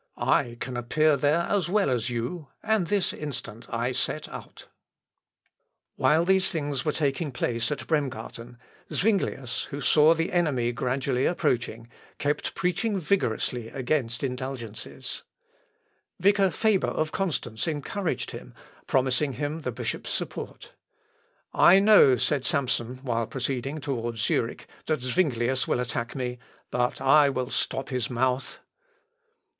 _ "I can appear there as well as you, and this instant I set out." [Sidenote: INTERNAL WRESTLINGS OF ZUINGLIUS.] While these things were taking place at Bremgarten, Zuinglius, who saw the enemy gradually approaching, kept preaching vigorously against indulgences. Vicar Faber of Constance encouraged him, promising him the bishop's support. "I know," said Samson, while proceeding towards Zurich, "that Zuinglius will attack me, but I will stop his mouth."